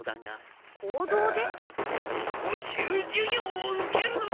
補習授業を受けるのだ！